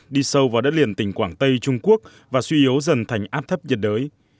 đi sâu vào đất liền tỉnh quảng tây trung quốc và suy yếu dần thành áp thấp nhiệt đới